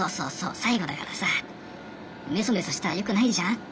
最後だからさめそめそしたらよくないじゃん。